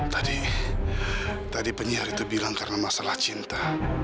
tadi penyiar itu bilang karena masalah cinta